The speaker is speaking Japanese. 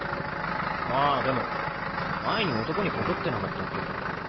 ああでも前に男に告ってなかったっけ？